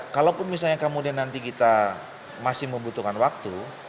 kalaupun misalnya kemudian nanti kita masih membutuhkan waktu